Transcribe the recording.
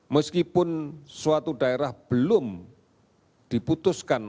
meskipun suatu daerah belum diputuskan